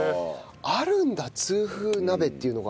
あるんだ痛風鍋っていうのが。